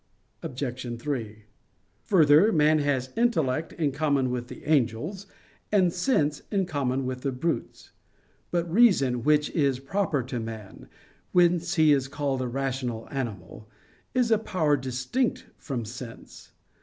Obj. 3: Further, man has intellect in common with the angels, and sense in common with the brutes. But reason, which is proper to man, whence he is called a rational animal, is a power distinct from sense.